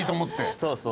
そうそう。